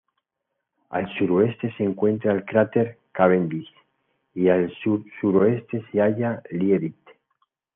Al suroeste se encuentra el cráter Cavendish, y al sur-sureste se halla Liebig.